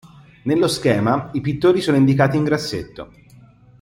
Nello schema, i pittori sono indicati in grassetto.